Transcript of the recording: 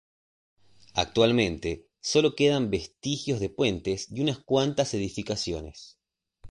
Actualmente solo quedan vestigios de puentes y unas cuantas edificaciones.